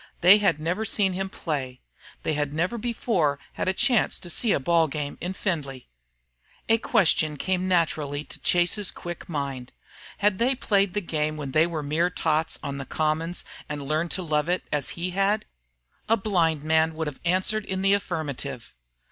They had never seen him play. They had never before had a chance to see a ball game in Findlay. A question came naturally to Chase's quick mind. Had they played the game when mere tots on the commons and learned to love it, as had he? A blind man would have answered in the affirmative.